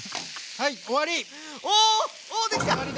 はい終わり！